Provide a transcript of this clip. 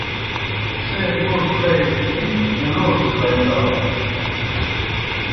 څھے گوݜ لئی بِلَوڇ زائی دانوْ۔